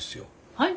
はい？